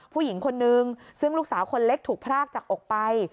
ผู้หญิงคนนึงซึ่งลูกสาวคนเล็กถูกพรากจากอกไป